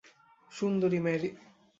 Sundari Mary.